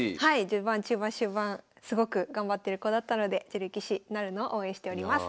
序盤中盤終盤すごく頑張ってる子だったので女流棋士なるのを応援しております。